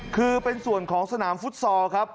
คือเป็นส่วนของสนามฟุตซอลครับ